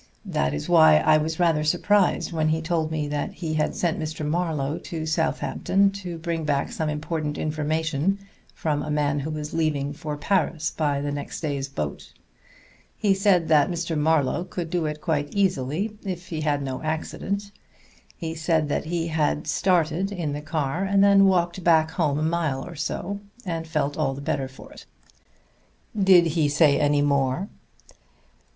That is why I was rather surprised when he told me that he had sent Mr. Marlowe to Southampton to bring back some important information from a man who was leaving for Paris by the next day's boat. He said that Mr. Marlowe could do it quite easily if he had no accident. He said that he had started in the car, and then walked back home a mile or so, and felt all the better for it." "Did he say any more?"